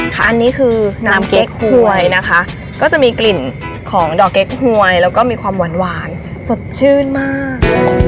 ค่ะอันนี้คือน้ำเก๊กหวยนะคะก็จะมีกลิ่นของดอกเก๊กหวยแล้วก็มีความหวานสดชื่นมาก